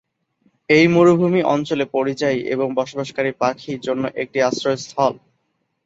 এই মরুভূমি অঞ্চলে পরিযায়ী এবং বসবাসকারী পাখি জন্য একটি আশ্রয়স্থল।